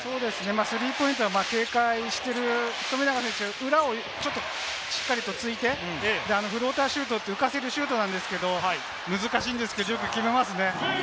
スリーポイントは警戒している富永選手、裏をちょっとしっかりついて、フローターシュートって浮かせるシュートなんですけれども、難しいんですけれどもよく決めますね。